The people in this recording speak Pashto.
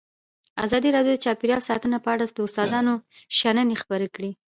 ازادي راډیو د چاپیریال ساتنه په اړه د استادانو شننې خپرې کړي.